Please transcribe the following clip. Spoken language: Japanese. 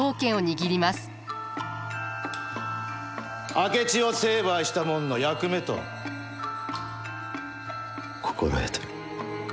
明智を成敗したもんの役目と心得とる。